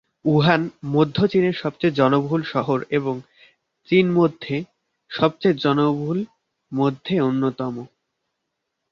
Wuhan মধ্য চীনের সবচেয়ে জনবহুল শহর এবং চীন মধ্যে সবচেয়ে জনবহুল মধ্যে অন্যতম।